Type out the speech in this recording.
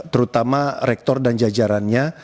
terutama rektor dan jajarannya